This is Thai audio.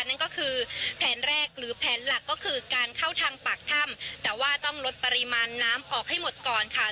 นั่นก็คือแผนแรกหรือแผนหลักก็คือการเข้าทางปากถ้ำแต่ว่าต้องลดปริมาณน้ำออกให้หมดก่อนค่ะ